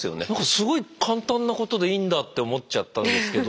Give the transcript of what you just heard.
すごい簡単なことでいいんだって思っちゃったんですけど。